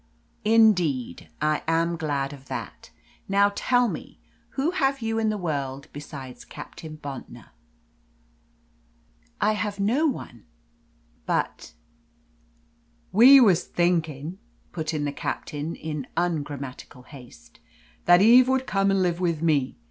"Indeed, I am glad of that. Now, tell me, who have you in the world besides Captain Bontnor?" "I have no one. But " "We was thinking," put in the Captain, in ungrammatical haste, "that Eve would come and live with me.